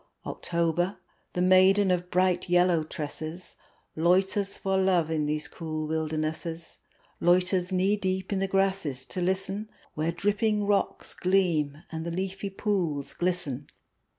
October, the maiden of bright yellow tresses, Loiters for love in these cool wildernesses; Loiters knee deep in the grasses to listen, Where dripping rocks gleam and the leafy pools glisten.